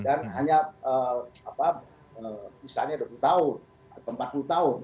dan hanya misalnya dua puluh tahun atau empat puluh tahun